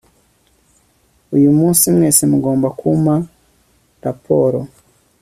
uyumunsi mwese mugomba kuza kumpa raporo